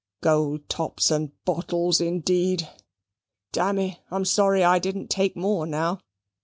Gold tops and bottles, indeed! dammy, I'm sorry I didn't take more now.